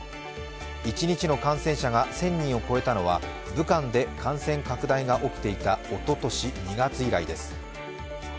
一日の感染者が１０００人を超えたのは武漢で感染拡大が起きていたおととし２月以来です。